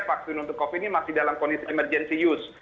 vaksin untuk covid ini masih dalam kondisi emergency use